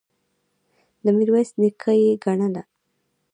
د میرویس نیکه یې ګڼله.